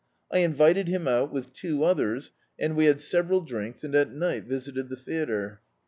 I invited him out, with two others, and we had sev eral drinks, and at night visited the theatre.